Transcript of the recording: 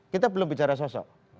kita belum bicara sosok